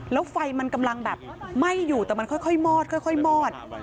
แล้วไฟมันกำลังแบบไหม้อยู่แต่มันค่อยมอดค่อยมอด